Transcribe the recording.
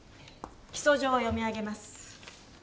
起訴状を読み上げます。